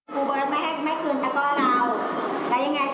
ครูเบิร์ตไม่ให้คุณจะก้อเราแล้วยังไงต่อ